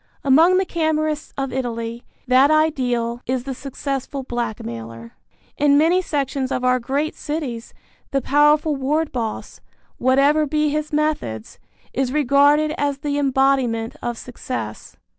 Among the Camorrists of Italy that ideal is the successful blackmailer. In many sections of our great cities the powerful ward boss, whatever be his methods, is regarded as the embodiment of success.